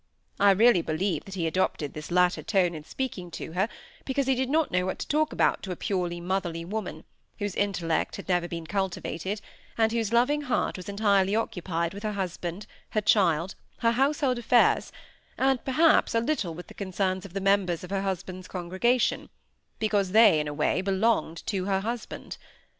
I really believe that he adopted this latter tone in speaking to her because he did not know what to talk about to a purely motherly woman, whose intellect had never been cultivated, and whose loving heart was entirely occupied with her husband, her child, her household affairs and, perhaps, a little with the concerns of the members of her husband's congregation, because they, in a way, belonged to her husband.